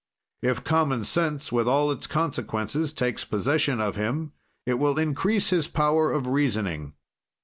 "If common sense, with all its consequences, takes possession of him, it will increase his power of reasoning.